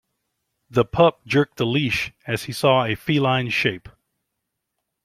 The pup jerked the leash as he saw a feline shape.